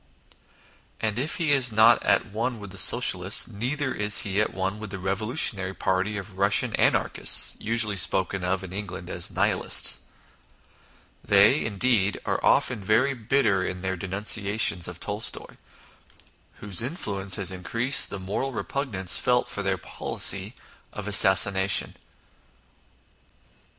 And if he is not at one with the Socialists, neither is he at one with the Eevolutionary party of Kussian Anar chists usually spoken of in England as " Nihilists." They, indeed, are often very bitter in their denunciations of Tolstoy, whose influence has increased the moral repugnance felt for their policy of assassination.